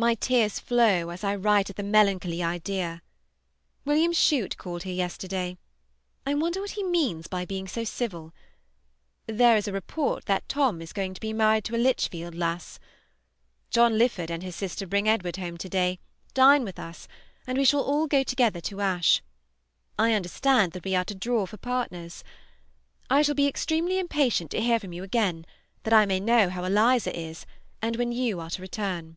My tears flow as I write at the melancholy idea. Wm. Chute called here yesterday. I wonder what he means by being so civil. There is a report that Tom is going to be married to a Lichfield lass. John Lyford and his sister bring Edward home to day, dine with us, and we shall all go together to Ashe. I understand that we are to draw for partners. I shall be extremely impatient to hear from you again, that I may know how Eliza is, and when you are to return.